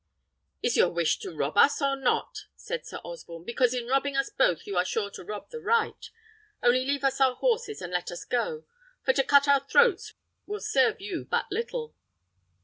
"Is your wish to rob us or not?" said Sir Osborne; "because in robbing us both you are sure to rob the right. Only leave us our horses, and let us go; for to cut our throats will serve you but little."